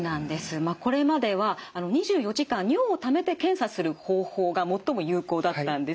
これまでは２４時間尿をためて検査する方法が最も有効だったんですよね。